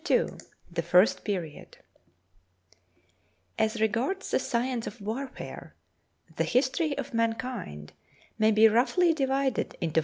THE FIRST PERIOD AS regards the science of warfare, the history Z_m of mankind may be roughly divided into JL J^.